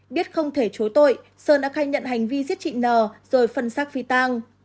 biết không thể chối tội sơn đã khai nhận hành vi giết chị nờ rồi phân xác phi tang